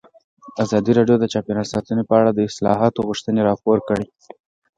ازادي راډیو د چاپیریال ساتنه په اړه د اصلاحاتو غوښتنې راپور کړې.